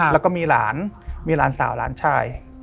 แล้วก็มีหลานมีหลานสาวหลานชาย